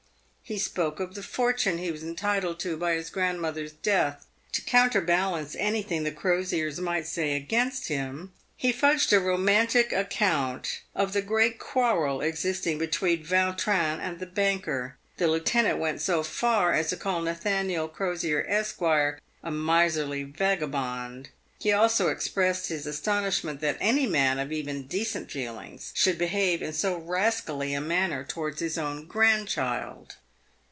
He spoke of the fortune he was entitled to by his grandmother's death. To counterbalance any thing the Crosiers might say against him, he fudged a romantic ac count of the great quarrel existing between Vautrin and the banker. The lieutenant went so far as to call Nathaniel Crosier, Esq. a miserly vagabond. He also expressed his astonishment that any man of even decent feelings should behave in so rascally a manner towards his own grandchild.